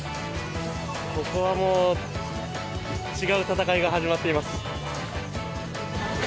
ここはもう違う戦いが始まっています。